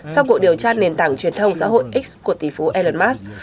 sau cuộc điều tra nền tảng truyền thông xã hội x của tỷ phú elon musk